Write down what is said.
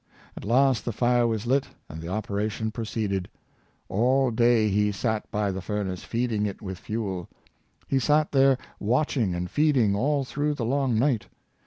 At last the fire was lit, and the operation proceeded. All day he sat by the furnace, feeding it with fuel. He sat there watching and feeding all through the long night.